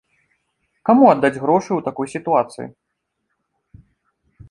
Каму аддаць грошы ў такой сітуацыі?